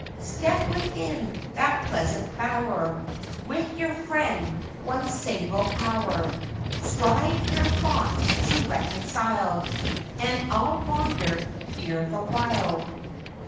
'Step within that pleasant bower, With your friend one single hour; Strive your thoughts to reconcile, And I'll wander here the while.